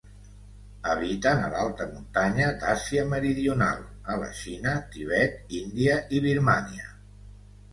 Habiten a l'alta muntanya d'Àsia meridional, a la Xina, Tibet, Índia i Birmània.